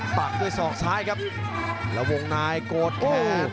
ปากด้วยสอกซ้ายครับแล้ววงนายกดแขน